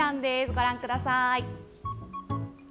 ご覧ください。